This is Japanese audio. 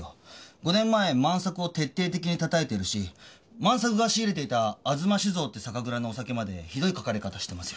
５年前万さくを徹底的にたたいてるし万さくが仕入れていた吾妻酒造って酒蔵のお酒までひどい書かれ方してますよ。